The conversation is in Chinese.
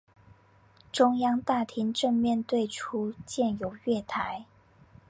中央大厅正面对出处建有月台。